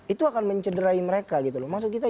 itu akan mencederai mereka gitu loh maksud kita